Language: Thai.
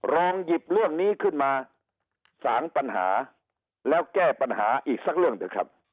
ลองหยิบเรื่องนี้ขึ้นมาสางปัญหาแล้วแก้ปัญหาอีกสักเรื่องเถอะครับ